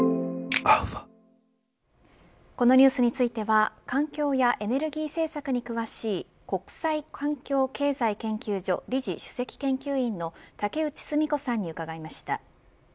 このニュースについては環境やエネルギー政策に詳しい国際環境経済研究所理事・主席研究員の竹内純子さんに伺いました。